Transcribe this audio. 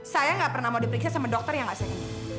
saya gak pernah mau diperiksa sama dokter yang gak sayang